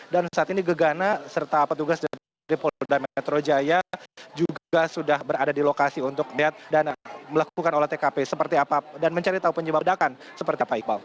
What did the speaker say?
dan saat ini gegana serta petugas dari polres dan metro jaya juga sudah berada di lokasi untuk melakukan olah tkp seperti apa dan mencari tahu penyebab bedakan seperti apa iqbal